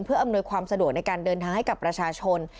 เพื่ออำนวยความสะดวกในการเดินทางให้กับประชาชน